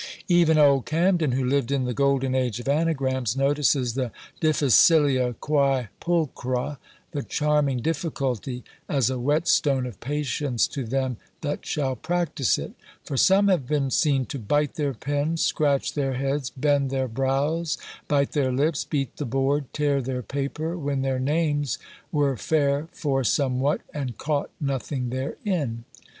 Even old Camden, who lived in the golden age of anagrams, notices the difficilia quÃḊ pulchra, the charming difficulty, "as a whetstone of patience to them that shall practise it. For some have been seen to bite their pen, scratch their heads, bend their brows, bite their lips, beat the board, tear their paper, when their names were fair for somewhat, and caught nothing therein."